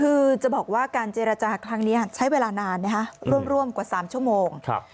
คือจะบอกว่าการเจรจาครั้งนี้ใช้เวลานานนะฮะร่วมร่วมกว่า๓ชั่วโมงครับ